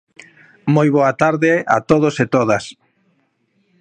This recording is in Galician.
Moi boa tarde a todos e a todas.